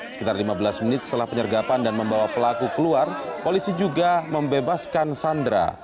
sekitar lima belas menit setelah penyergapan dan membawa pelaku keluar polisi juga membebaskan sandra